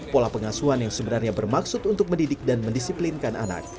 pola pengasuhan yang sebenarnya bermaksud untuk mendidik dan mendisiplinkan anak